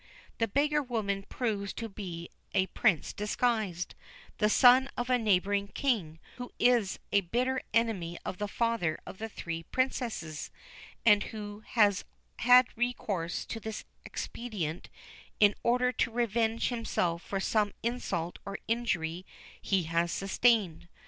The beggar woman proves to be a Prince disguised, the son of a neighbouring King who is a bitter enemy of the father of the three Princesses, and who has had recourse to this expedient in order to revenge himself for some insult or injury he has sustained.